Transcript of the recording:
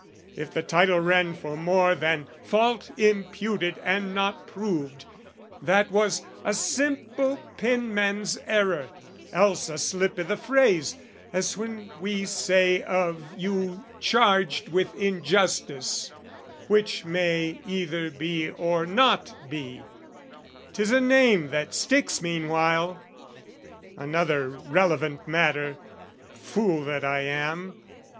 If the title ran For more than fault imputed and not proved, That was a simple penman's error, else A slip i' the phrase, as when we say of you "Charged with injustice" which may either be Or not be, 'tis a name that sticks meanwhile. Another relevant matter: fool that I am!